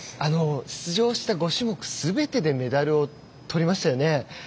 出場した５種目すべてでメダルを取りましたよね。